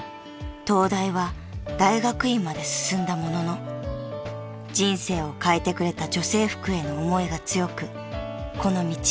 ［東大は大学院まで進んだものの人生を変えてくれた女性服への思いが強くこの道へ］